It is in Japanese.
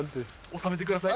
納めてください。